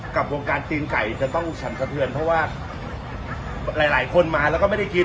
กับวงการตีนไก่จะต้องสั่นสะเทือนเพราะว่าหลายหลายคนมาแล้วก็ไม่ได้กิน